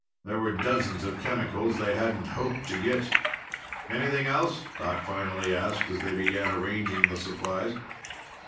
There were dozens of chemicals they hadn't hoped to get. "Anything else?" Doc finally asked as they began arranging the supplies.